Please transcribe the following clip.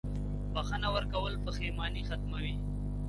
• بښنه ورکول پښېماني ختموي.